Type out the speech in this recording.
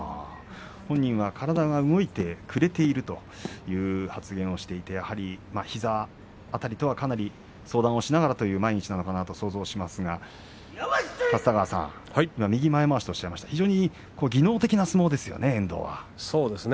本人は体が動いてくれているという発言をしていてやはり膝辺りとはかなり相談をしながらという毎日なのかなと想像しますが立田川さん、右前まわしとおっしゃいましたが非常に技能的な相撲ですね。